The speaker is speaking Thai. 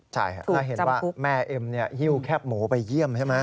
ใช่ถ้าเห็นว่าแม่เอ็มหิ้วแคบหมูไปเยี่ยมใช่ไหม